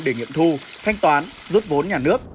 để nghiệm thu thanh toán rút vốn nhà nước